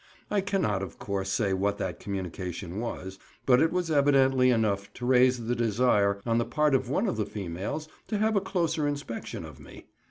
I cannot, of course, say what that communication was, but it was evidently enough to raise the desire on the part of one of the females to have a closer inspection of me.